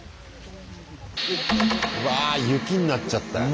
わあ雪になっちゃったよ。